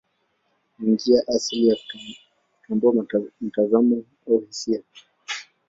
Ni njia asili ya kutambua mtazamo au hisia.